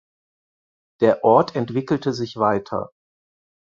Der Ort entwickelte sich weiter.